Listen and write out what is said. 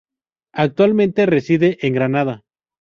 Actualmente reside en Granada.